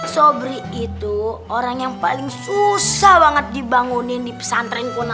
sobri itu orang yang paling susah banget dibangunin di pesantren pun